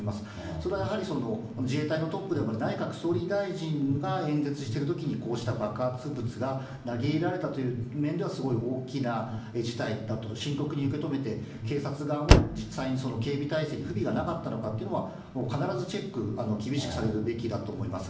それはやはり、自衛隊のトップでもある内閣総理大臣が演説してるときに、こうした爆発物が投げ入れられたという面では、大きな事態だと、深刻に受け止めて、警察側も実際に警備態勢に不備がなかったのかって、もう必ずチェック厳しくされるべきだと思います。